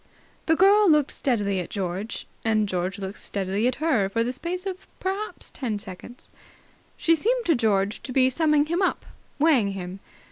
The girl looked steadily at George and George looked steadily at her for the space of perhaps ten seconds. She seemed to George to be summing him up, weighing him.